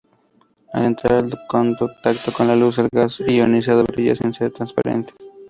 Al entrar en contacto con luz, un gas ionizado brilla sin ser transparente.